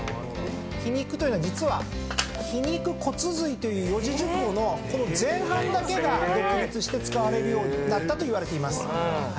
皮肉というのは実は皮肉骨髄という四字熟語のこの前半だけが独立して使われるようになったといわれています。